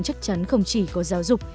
chắc chắn không chỉ có giáo dục